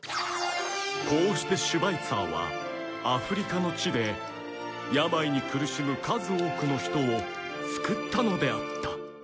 こうしてシュバイツァーはアフリカの地で病に苦しむ数多くの人を救ったのであった